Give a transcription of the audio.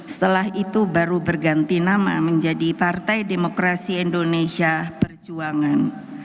setelah itu baru berganti nama menjadi partai demokrasi indonesia perjuangan